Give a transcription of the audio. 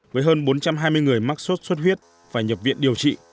với hơn bốn trăm hai mươi người mắc sốt xuất huyết phải nhập viện điều trị